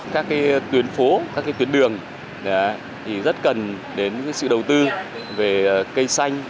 các tuyến phố các tuyến đường thì rất cần đến sự đầu tư về cây xanh